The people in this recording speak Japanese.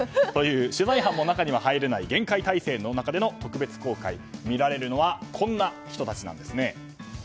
取材班も中には入れない厳戒態勢の中での特別公開見られるのはこんな人たちです。